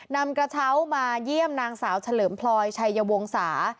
นำกระเช้ามาเยี่ยมนางสาวเฉลิมพลอยชัยวงศา